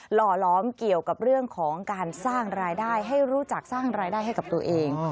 ห่อล้อมเกี่ยวกับเรื่องของการสร้างรายได้ให้รู้จักสร้างรายได้ให้กับตัวเอง